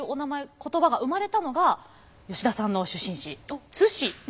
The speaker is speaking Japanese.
言葉が生まれたのが吉田さんの出身地津市。